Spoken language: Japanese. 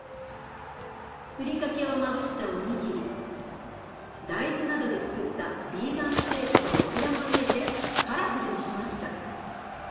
ふりかけをまぶしたお握り大豆などでつくったビーガンステーキとオクラも入れてカラフルにしました。